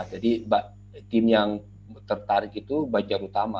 jadi tim yang tertarik itu banjar utama